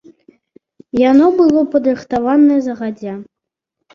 Яно было падрыхтаванае загадзя.